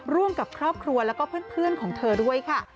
ร่วมกับครอบครัวแล้วก็เพื่อนของเธอด้วยค่ะ